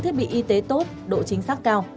khoa đặc biệt cần những thiết bị y tế tốt độ chính xác cao